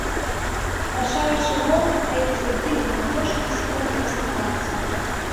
Рашаючы гол грэкі забілі на апошніх секундах з пенальці.